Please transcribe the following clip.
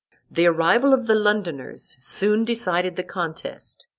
The arrival of the Londoners soon decided the contest.